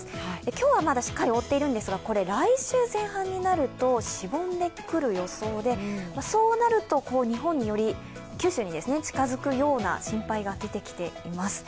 今日はまだしっかり覆っているんですが、来週前半になるとしぼんでくる予想でそうなると、日本により、九州に近づくような心配が出てきています。